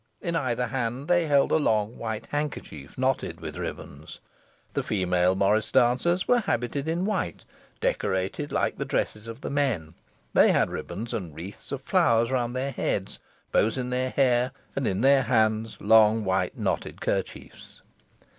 In either hand they held a long white handkerchief knotted with ribands. The female morris dancers were habited in white, decorated like the dresses of the men; they had ribands and wreaths of flowers round their heads, bows in their hair, and in their hands long white knotted kerchiefs.